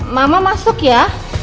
mama masuk ya